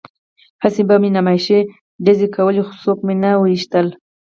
هسې به مې نمایشي ډزې کولې خو څوک مې نه ویشتل